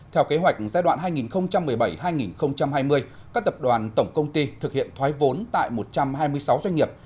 theo kế hoạch giai đoạn hai nghìn một mươi bảy hai nghìn hai mươi các tập đoàn tổng công ty thực hiện thoái vốn tại một trăm hai mươi sáu doanh nghiệp